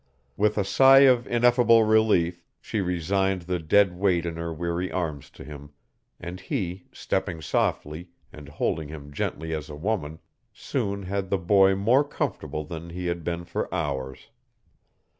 With a sigh of ineffable relief she resigned the dead weight in her weary arms to him, and he, stepping softly, and holding him gently as a woman, soon had the boy more comfortable than he had been for hours.